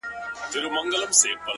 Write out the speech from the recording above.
• برابر پر نعمتونو سو ناپامه ,